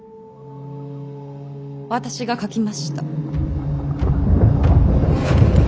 私が書きました。